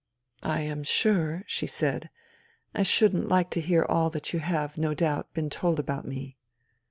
" I am sure," she said, " I shouldn't hke to hear all that you have, no doubt, been told about me."